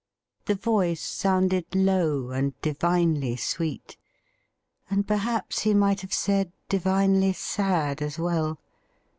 The voice sounded low and divinely sweet, and perhaps he might have said divinely sad as well.